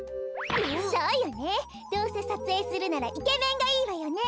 そうよねどうせさつえいするならイケメンがいいわよね。